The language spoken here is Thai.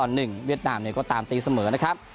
เวียดนามเนี่ยก็ตามตีเสมอนะครับ